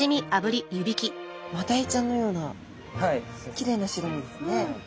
マダイちゃんのようなきれいな白身ですね。